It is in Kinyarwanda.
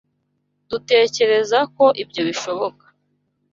Dutekereza ko ibyo bishoboka.